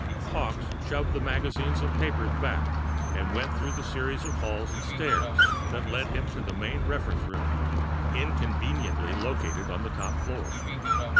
Hawkes shoved the magazines and papers back, and went through the series of halls and stairs that led him to the main reference room, inconveniently located on the top floor.